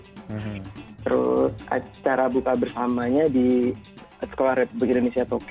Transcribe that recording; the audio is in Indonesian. terus acara buka bersamanya di sekolah republik indonesia tokyo